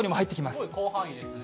すごい広範囲ですね。